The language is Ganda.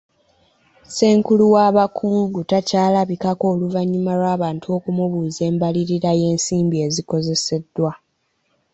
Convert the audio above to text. Ssenkulu w'abakungu takyalabikako oluvanyuma lw'abantu okumubuuza embalirira y'ensimbi ezikozeseddwa.